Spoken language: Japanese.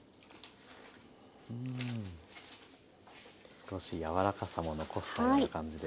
少し柔らかさも残したような感じで。